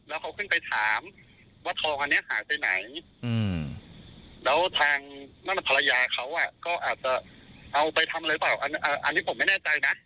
แล้วเขาขึ้นไปถามว่าทองอันนี้หายไปไหนแล้วทางนั่นภรรยาเขาก็อาจจะเอาไปทำอะไรเปล่าอันนี้ผมไม่แน่ใจนะ